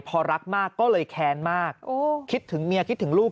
พอรักมากก็เลยแค้นมากคิดถึงเมียคิดถึงลูก